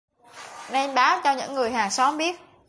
Nên báo cho những người hàng xóm biết